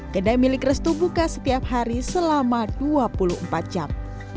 kedai milik restu buka setiap hari selama dua puluh empat jam